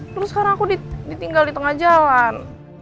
terus sekarang aku ditinggal di tengah jalan